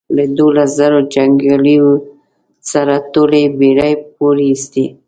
له دوولس زرو جنګیالیو سره ټولې بېړۍ پورېستې.